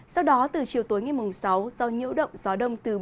sau đó từ chiều tối ngày mùng sáu do nhiễu động gió đông từ biển